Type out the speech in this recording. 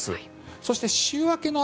そして、週明けの雨